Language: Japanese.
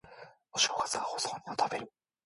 お正月はお雑煮を食べる